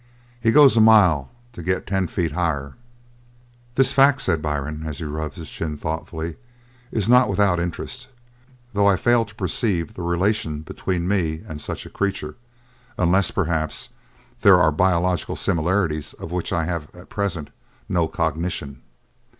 He goes a mile to get ten feet higher." "This fact," said Byrne, and he rubbed his chin thoughtfully, "is not without interest, though I fail to perceive the relation between me and such a creature, unless, perhaps, there are biologic similarities of which I have at present no cognition."